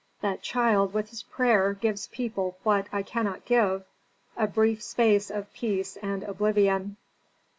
That child with his prayer gives people what I cannot give: a brief space of peace and oblivion.